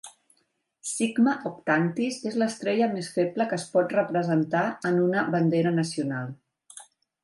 Sigma Octantis és l'estrella més feble que es pot representar en una bandera nacional.